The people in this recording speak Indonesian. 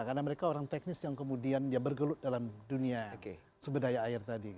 karena mereka orang teknis yang kemudian ya bergelut dalam dunia seberdaya air tadi